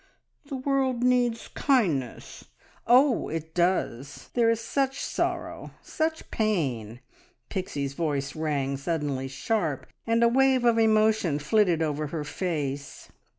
... The world needs kindness " "Oh, it does! There is such sorrow, such pain!" Pixie's voice rang suddenly sharp, and a wave of emotion flitted over her face.